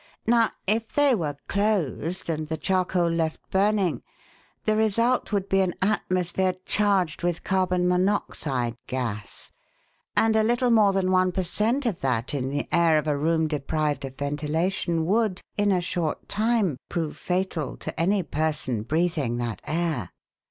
Now if they were closed and the charcoal left burning, the result would be an atmosphere charged with carbon monoxide gas, and a little more than one per cent. of that in the air of a room deprived of ventilation would, in a short time, prove fatal to any person breathing that air."